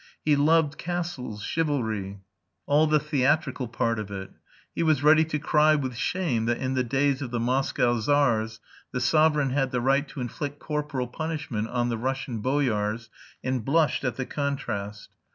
He loved castles, chivalry; all the theatrical part of it. He was ready to cry with shame that in the days of the Moscow Tsars the sovereign had the right to inflict corporal punishment on the Russian boyars, and blushed at the contrast.